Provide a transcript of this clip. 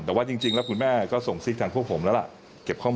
แต่ว่าจริงแล้วคุณแม่ก็ส่งสิทธิ์ทางพวกผมแล้ว